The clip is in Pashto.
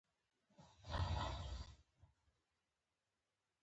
فېسبوک د انجمنونو جوړولو لپاره ښه وسیله ده